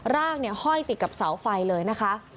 ร่างห้อยติดกับเสาไฟเลยนะคะ